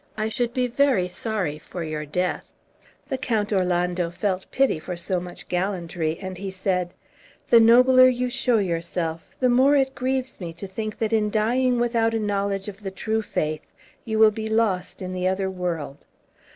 I should be very sorry for your death." The Count Orlando felt pity for so much gallantry, and he said, "The nobler you show yourself the more it grieves me to think that in dying without a knowledge of the true faith you will be lost in the other world.